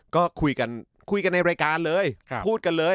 ก็คุยกันคุยกันในรายการเลยพูดกันเลย